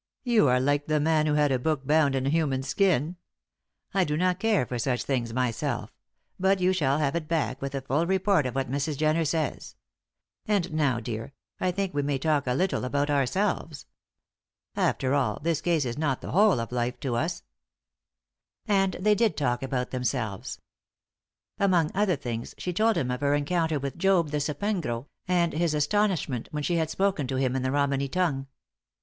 "You are like the man who had a book bound in a human skin. I do not care for such things myself; but you shall have it back with a full report of what Mrs. Jenner says. And now, dear, I think we may talk a little about ourselves. After all, this case is not the whole of life to us." And they did talk about themselves. Among other things, she told him of her encounter with Job, the Sapengro, and his astonishment when she had spoken to him in the Romany tongue.